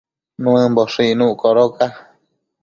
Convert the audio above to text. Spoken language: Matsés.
Nuëmboshë icnuc codoca